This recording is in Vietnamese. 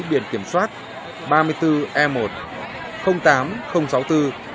biển kiểm soát